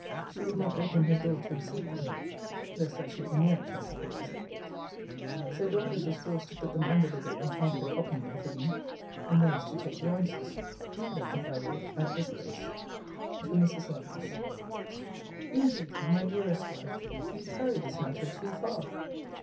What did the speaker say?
She would not open her door to receive them; lest I should be near it, I suppose: so Dorcas was forced to put them under the door (after copying them for thee); and thence to take the answers. Read them, if thou wilt, at this place. TO MRS. LOVELACE Indeed, my dearest life, you carry this matter too far.